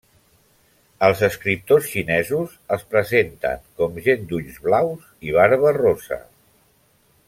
Els escriptors xinesos els presenten com gent d'ulls blaus i barba rossa.